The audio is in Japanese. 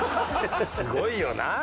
すごいよなあ。